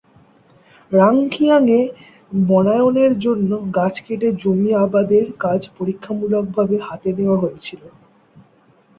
রাংখিয়াং-এ বনায়নের জন্য গাছ কেটে জমি আবাদের কাজ পরীক্ষামূলকভাবে হাতে নেওয়া হয়েছিল।